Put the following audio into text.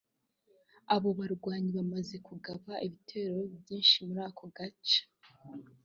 Abo bagwanyi bamaze kugaba ibitero vyinshi muri ako gace